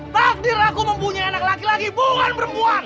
takdir aku mempunyai anak laki laki bukan perempuan